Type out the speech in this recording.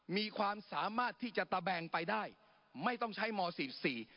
มีความสามารถที่จะตะแบงไปได้ไม่ต้องใช้มสี่สี่